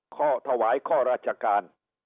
ข้อถวายข้อราชการ